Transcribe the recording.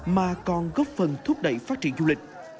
mà còn góp phần thúc đẩy vùng sâm